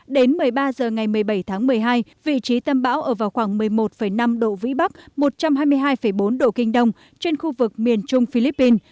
đến một mươi ba h ngày một mươi bảy tháng một mươi hai vị trí tâm bão ở vào khoảng một mươi một năm độ vĩ bắc một trăm hai mươi hai bốn độ kinh đông trên khu vực miền trung philippines